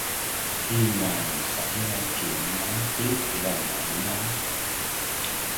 Khi nào xảy ra chuyện đáng tiếc rồi hãy nói